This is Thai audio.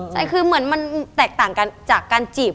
ใช่คือเหมือนมันแตกต่างกันจากการจีบ